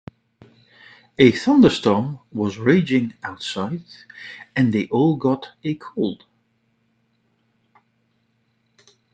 A thunderstorm was raging outside and they all got a cold.